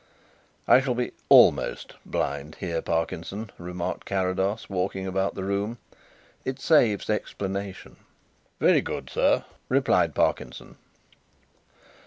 "I shall be 'almost' blind here, Parkinson," remarked Carrados, walking about the room. "It saves explanation." "Very good, sir," replied Parkinson.